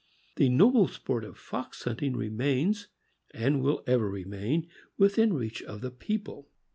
The noble sport of fox hunting remains, and will ever remain, within reach of the people.